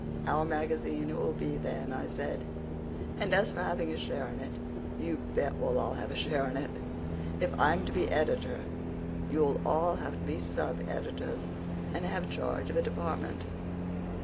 "Our Magazine it will be, then," I said. "And as for having a share in it, you bet we'll all have a share in it. If I'm to be editor you'll all have to be sub editors, and have charge of a department."